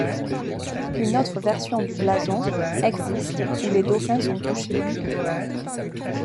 Une autre version du blason existe où les dauphins sont couchés.